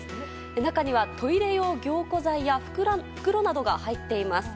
中には、トイレ用凝固剤や袋などが入っています。